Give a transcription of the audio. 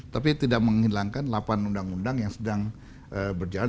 tapi tidak menghilangkan delapan undang undang yang sedang berjalan